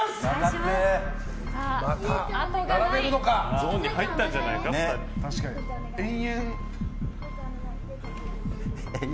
ゾーンに入ったんじゃないか２人。